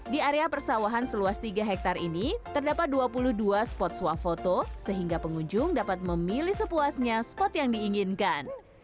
di area persawahan seluas tiga hektare ini terdapat dua puluh dua spot swafoto sehingga pengunjung dapat memilih sepuasnya spot yang diinginkan